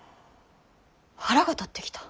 腹が立ってきた。